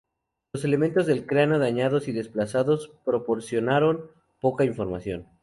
Los elementos del cráneo dañados y desplazados proporcionaron poca información.